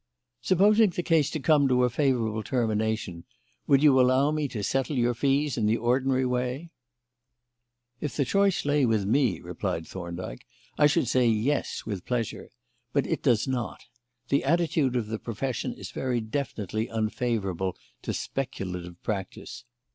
"Supposing the case to come to a favourable termination, would you allow me to settle your fees in the ordinary way?" "If the choice lay with me," replied Thorndyke, "I should say 'yes' with pleasure. But it does not. The attitude of the profession is very definitely unfavourable to 'speculative' practice.